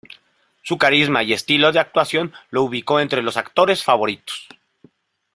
Su carisma y estilo de actuación lo ubicó entre los actores favoritos.